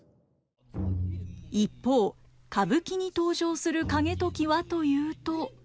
一方歌舞伎に登場する景時はというと。